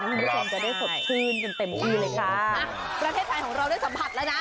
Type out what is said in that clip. เพื่อความสอบชื่นมันเลยประเทศไทยของเราได้สัมผัสแล้วน่ะ